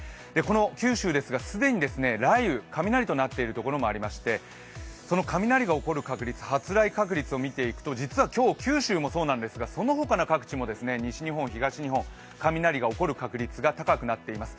九州ですが、既に雷雨、雷となっているところもありまして雷が起こる確率、発雷確率を見ていきますと実は今日、九州もそうなんですがそのほかの各地でも西日本、東日本、雷が起こる確率が高くなっています。